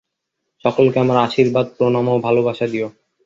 সকলকে আমার আশীর্বাদ, প্রণাম ও ভালবাসা দিও।